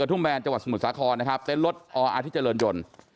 ทุ่งแนนจังหวัดสมุทรสาครนะครับเต้นรถออาทิตย์เจริญยนต์